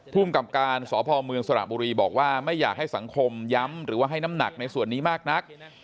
ภูมิกับการสพเมืองสระบุรีบอกว่าไม่อยากให้สังคมย้ำหรือว่าให้น้ำหนักในส่วนนี้มากนัก